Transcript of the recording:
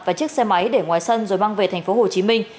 và chiếc xe máy để ngoài sân rồi mang về tp hcm